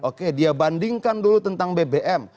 oke dia bandingkan dulu tentang bbm